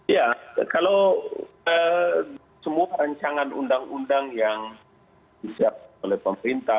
ya kalau semua rancangan undang undang yang disiapkan oleh pemerintah